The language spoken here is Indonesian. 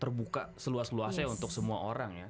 terbuka seluas luasnya untuk semua orang ya